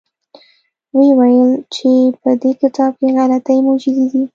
ویې ویل چې په دې کتاب کې غلطۍ موجودې دي.